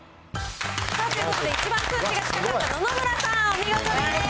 ということで、一番数値が近かった野々村さん、お見事です。